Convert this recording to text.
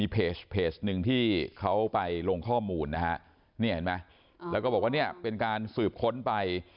เพจนึงที่เขาไปลงข้อมูลนะครับแล้วก็บอกว่านี่เป็นการสืบข้นไป